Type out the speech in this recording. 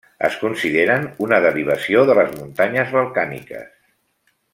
Es consideren una derivació de les muntanyes balcàniques.